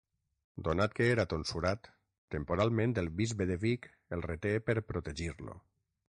Donat que era tonsurat, temporalment el bisbe de Vic el reté per protegir-lo.